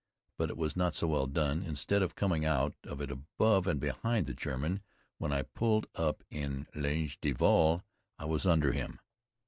But it was not so well done. Instead of coming out of it above and behind the German, when I pulled up in ligne de vol I was under him!